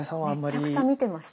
めっちゃくちゃ見てました。